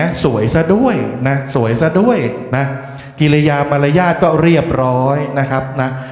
สวยซะด้วยนะสวยซะด้วยนะกิริยาปรยาทก็เรียบร้อยนะครับนะ